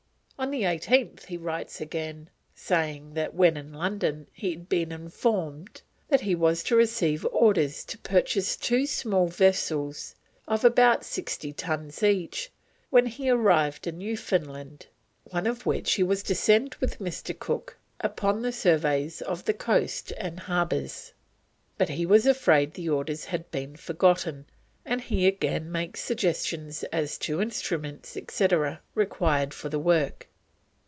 On the 18th he writes again, saying that when in London he had been informed that he was to receive orders to purchase two small vessels of about 60 tons each when he arrived in Newfoundland, one of which he was "to send with Mr. Cook upon the surveys of the coast and harbours," but he was afraid the orders had been forgotten, and he again makes suggestions as to instruments, etc., required for the work.